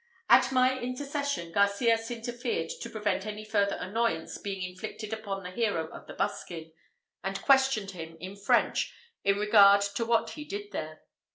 At my intercession, Garcias interfered to prevent any further annoyance being inflicted upon the hero of the buskin, and questioned him, in French, in regard to what he did there.